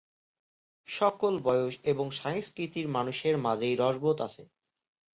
সকল বয়স এবং সংস্কৃতির মানুষের মাঝেই রসবোধ আছে।